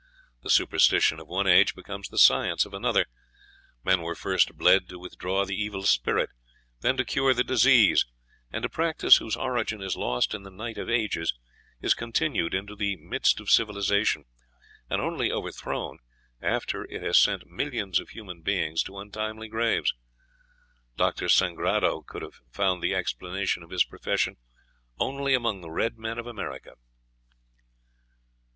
The superstition of one age becomes the science of another; men were first bled to withdraw the evil spirit, then to cure the disease; and a practice whose origin is lost in the night of ages is continued into the midst of civilization, and only overthrown after it has sent millions of human beings to untimely graves. Dr. Sangrado could have found the explanation of his profession only among the red men of America.